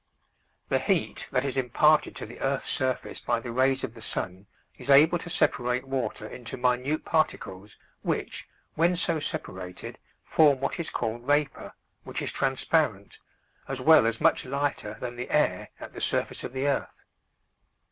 The heat that is imparted to the earth's surface by the rays of the sun is able to separate water into minute particles, which, when so separated, form what is called vapor, which is transparent, as well as much lighter than the air at the surface of the earth.